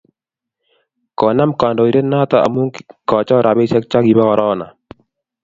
Konam kandoindet noto amu kochor rabisiek cha kibo korona